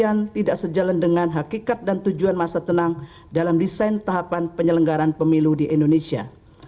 maka hal itu tidak akan berjalan dengan hakikat dan tujuan masa tenang dalam desain tahapan penyelenggaran pemilu di indonesia